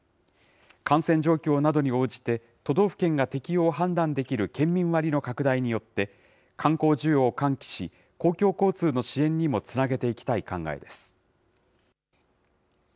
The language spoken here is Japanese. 感染状況などに応じて、都道府県が適用を判断できる県民割の拡大によって、観光需要を喚起し、公共交通の支援にもつなげていきたい考えです。